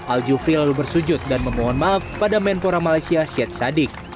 al jufri lalu bersujud dan memohon maaf pada menpora malaysia syed sadik